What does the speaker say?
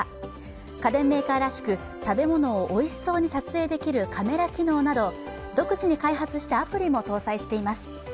家電メーカーらしく、食べ物をおいしそうに撮影できるカメラ機能など独自に開発したアプリも搭載しています。